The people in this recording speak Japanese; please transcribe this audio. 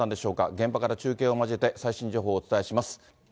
現場から中継を交えて、最新情報をお伝えします。